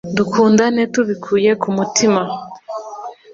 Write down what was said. Dukundane tubikuye ku mutima